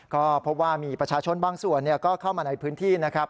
ก็พบว่ามีประชาชนบางส่วนก็เข้ามาในพื้นที่นะครับ